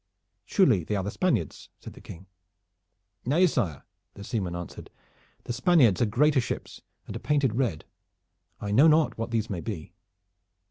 "Surely they are the Spaniards?" said the King. "Nay, sire," the seaman answered, "the Spaniards are greater ships and are painted red. I know not what these may be."